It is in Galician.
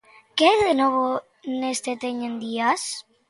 Que hai de novo neste Teñen días?